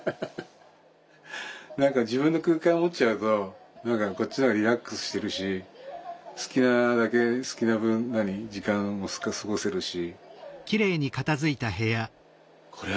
何か自分の空間を持っちゃうとこっちのほうがリラックスしてるし好きなだけ好きな分時間を過ごせるし。